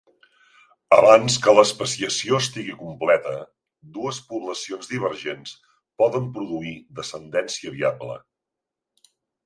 Abans que l'especiació estigui completa, dues poblacions divergents poden produir descendència viable.